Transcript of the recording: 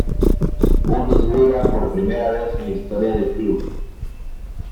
Bundesliga por primera vez en la historia del club.